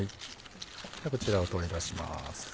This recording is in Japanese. こちらを取り出します。